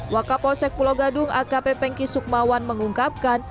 wakap osek pulau gadung akp pengki sukmawan mengungkapkan